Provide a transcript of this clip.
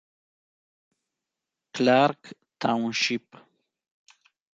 Clark Township